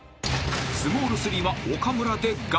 ［スモール３は岡村でガチ］